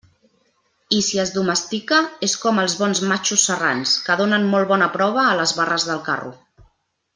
I si es domestica, és com els bons matxos serrans, que donen molt bona prova a les barres del carro.